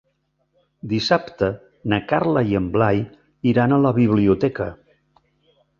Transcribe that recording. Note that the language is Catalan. Dissabte na Carla i en Blai iran a la biblioteca.